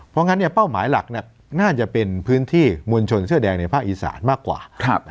เพราะงั้นเป้าหมายหลักน่าจะเป็นพื้นที่มวลชนเสื้อแดงในภาคอีสานมากกว่า